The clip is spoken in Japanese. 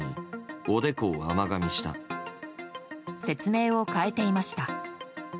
説明を変えていました。